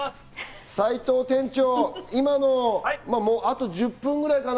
齋藤店長、もうあと１０分ぐらいかな？